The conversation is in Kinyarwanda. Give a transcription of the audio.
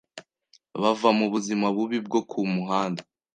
bava mu buzima bubi bwo ku muhanda